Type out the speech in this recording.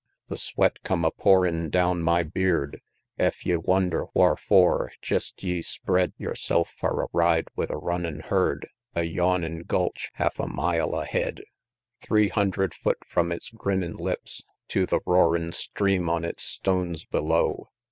The sweat come a pourin' down my beard; Ef ye wonder wharfor, jest ye spread Yerself far a ride with a runnin' herd, A yawnin' gulch half a mile ahead. XXXIX. Three hundred foot from its grinnin' lips Tew the roarin' stream on its stones below.